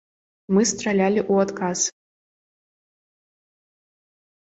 Мы стралялі ў адказ!